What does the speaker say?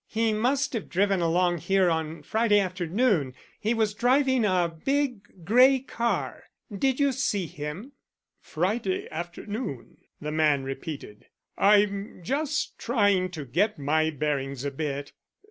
He must have driven along here on Friday afternoon; he was driving a big grey car. Did you see him?" "Friday afternoon?" the man repeated. "I'm just trying to get my bearings a bit.